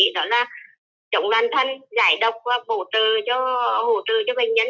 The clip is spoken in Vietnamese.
đó là trọng đoàn thân giải đọc hồ từ cho bệnh nhân